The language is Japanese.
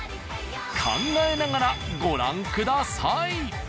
考えながらご覧ください。